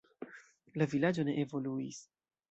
La vilaĝo ne evoluis.